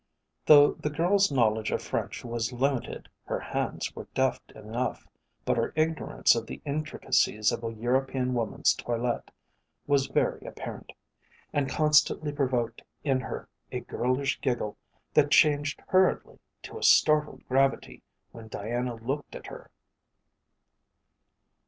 Though the girl's knowledge of French was limited her hands were deft enough, but her ignorance of the intricacies of a European woman's toilette was very apparent, and constantly provoked in her a girlish giggle that changed hurriedly to a startled gravity when Diana looked at her.